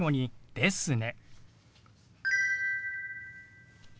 「ですね」。